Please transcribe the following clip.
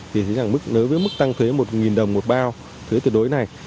thì thấy rằng với mức tăng thuế một đồng một bao thuế tuyệt đối này